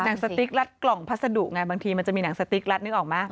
หนังสติ๊กรัดกล่องพัสดุไงบางทีมันจะมีหนังสติ๊กรัดนึกออกไหม